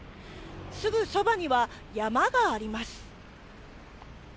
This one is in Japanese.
すぐそばには、山があります。